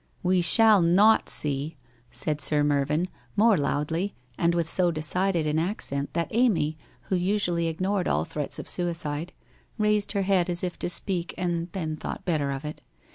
' Wc shall not see ! said Sir Mervyn, more loudly and with so decided an accent that Amy, who usually ignored all threats of suicide, raised her head as if to speak, and then thought better of it.